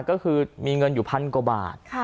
ก็คือมีเงินอยู่พันกว่าบาท